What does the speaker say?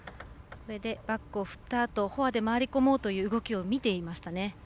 それで、バックを振ったあとフォアで回り込もうという動きを見ていましたね。